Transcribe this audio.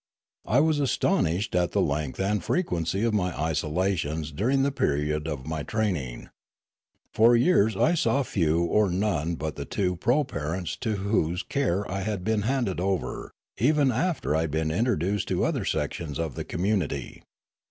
I was aston ished at the length and frequency of my isolations during the period of my training. For years I saw few or none but the two proparents to whose care I had been handed over, even after I had been introduced to other sections of the community.